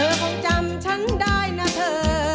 คงจำฉันได้นะเธอ